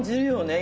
今。